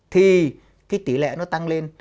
thì cái tỉ lệ nó tăng lên